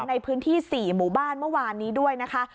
ในพื้นที่๔หมู่บ้านเมื่อวานนี้ด้วยนะคะ